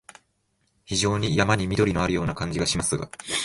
非常に山に縁のあるような感じがしますが、